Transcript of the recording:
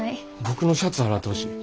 僕のシャツ洗ってほしい。